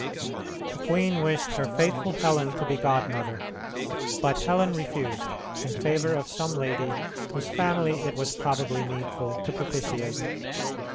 The queen wished her faithful Helen to be godmother, but Helen refused in favor of some lady whose family it was probably needful to propitiate.